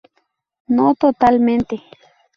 No totalmente.